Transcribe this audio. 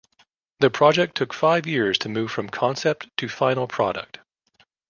The project took five years to move from concept to final product.